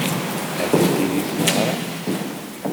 Atenti deg tneɣraft.